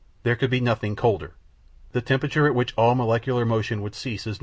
There could be nothing colder. The temperature at which all molecular motions would cease is known: it is 273° C.